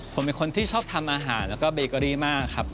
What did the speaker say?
ผมเป็นคนที่ชอบทำอาหารแล้วก็เบเกอรี่มากครับ